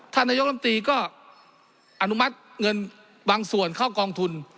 นายกรรมตรีก็อนุมัติเงินบางส่วนเข้ากองทุน